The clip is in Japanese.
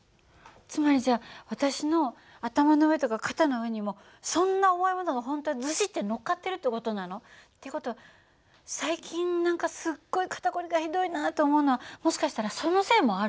つまりじゃあ私の頭の上とか肩の上にもそんな重いものが本当はズシッてのっかってるって事なの？っていう事は最近何かすっごい肩凝りがひどいなと思うのはもしかしたらそのせいもあるの？